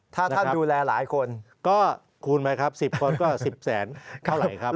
ถ้าท่านดูแลหลายคนก็คูณไหมครับ๑๐คนก็๑๐แสนเท่าไหร่ครับ